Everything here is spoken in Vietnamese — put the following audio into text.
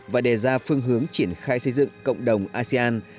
và đề ra phương hướng triển khai xây dựng cộng đồng asean